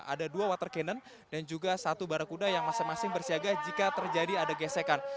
ada dua water cannon dan juga satu barakuda yang masing masing bersiaga jika terjadi ada gesekan